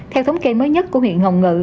theo thống kê mới nhất của huyện hồng ngự